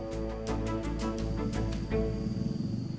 kepala desa wangunjaya jailani menikah